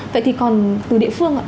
vậy thì còn từ địa phương